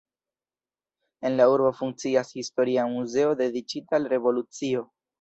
En la urbo funkcias historia muzeo dediĉita al revolucio.